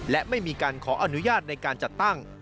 และไม่มีการขออนุญาตในการจัดตั้ง